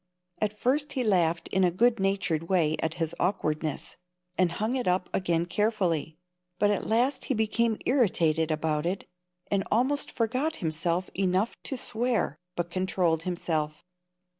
] At first he laughed in a good natured way at his awkwardness, and hung it up again carefully; but at last he became irritated about it, and almost forgot himself enough to swear, but controlled himself.